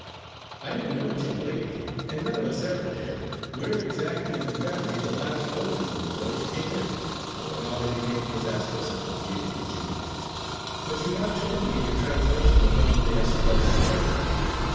I didn't know, till lately, and none of us ever did, where exactly in the family the last owners of the brooch came in, or how they became possessed of such a beautiful jewel. But you have told me in your translation of Don de Escoban's narrative.